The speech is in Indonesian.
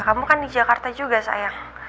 kamu kan di jakarta juga sayang